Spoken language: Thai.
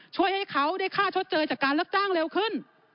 ช่วยให้เขาได้ค่าชดเชยจากการรับจ้างเร็วขึ้น